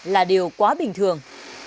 là điều quá bình thường